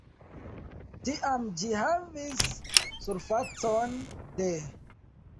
Tiam ĝi havis surfacon de.